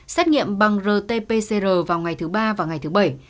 xét nghiệm bằng rt pcr vào ngày thứ ba và ngày thứ bảy